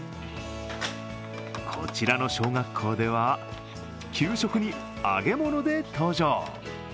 こちらの小学校では給食に揚げ物で登場。